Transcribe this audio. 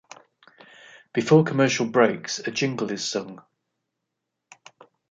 Before commercial breaks, a jingle is sung.